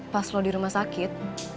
pas lo di rumah sakit